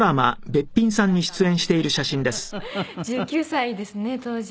１９歳ですね当時。